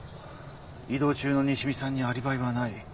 移動中の西見さんにアリバイはない。